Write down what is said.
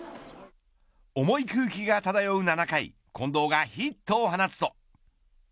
重い空気が漂う７回近藤がヒットを放つと。